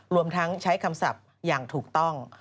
รวมทั้งใช้คำศัพท์อย่างถูกต้อง